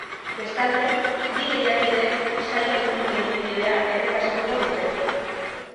Bestalde, bi lehiakideek saioan izan duten ibilbidea errepasatuko dute.